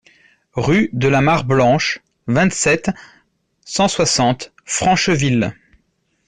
Rue de la Mare Blanche, vingt-sept, cent soixante Francheville